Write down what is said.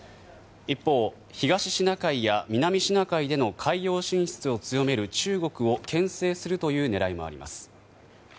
一方、東シナ海や南シナ海での海洋進出を強める中国を牽制するという狙いもあります。